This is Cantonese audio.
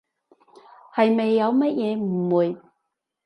係咪有咩誤會？